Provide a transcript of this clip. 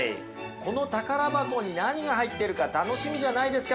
この宝箱に何が入っているか楽しみじゃないですか？